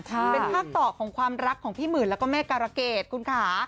เป็นภาคต่อของความรักของพี่หมื่นแล้วก็แม่การะเกดคุณค่ะ